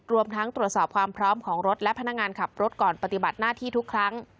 รวมทั้งตรวจสอบความพร้อมของรถและพนักงานขับรถก่อนปฏิบัติหน้าที่ทุกครั้ง